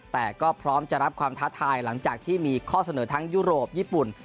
แต่ก็พร้อมจะรับความท้าทายหลังจากที่มีข้อเสนอทั้งยุโรปญี่ปุ่น